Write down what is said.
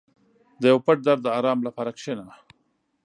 • د یو پټ درد د آرام لپاره کښېنه.